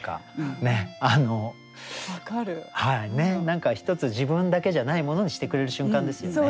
何かひとつ自分だけじゃないものにしてくれる瞬間ですよね。